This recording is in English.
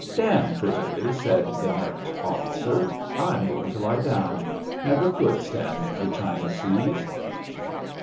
Damn prettily,'' said the necked ofiScer. ^* I'm going to lie down. Never could stand the China seas."